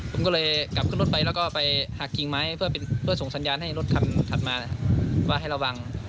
ผมก็เลยกลับขึ้นรถไปแล้วก็ไปหักกิ่งไม้เพื่อส่งสัญญาณให้รถคันถัดมาว่าให้ระวัง